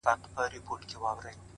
خپل ژوند د خیر سرچینه وګرځوئ